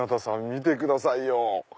見てくださいよ。